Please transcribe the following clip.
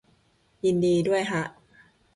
ยินดีด้วยฮะ